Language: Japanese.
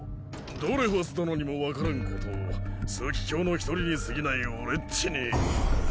ドレファス殿にも分からんことを枢機卿の一人にすぎない俺っちに。